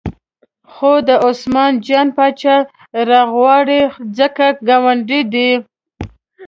خو دا عثمان جان پاچا راوغواړئ ځکه ګاونډی دی.